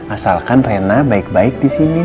asalkan rena baik baik di sini